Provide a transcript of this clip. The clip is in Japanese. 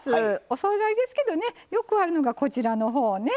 お総菜ですけどねよくあるのがこちらのほうね。